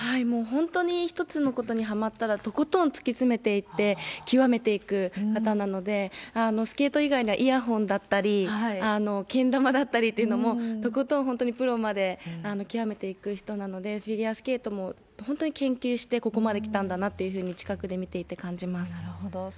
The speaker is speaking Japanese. もう本当に一つのことにはまったらとことん突き詰めていって、極めていく方なので、スケート以外にはイヤホンだったり、けん玉だったりというのも、とことん、本当にプロまで極めていく人なので、フィギュアスケートも、本当に研究してここまできたんだなっていうふうに、近くで見ていなるほど。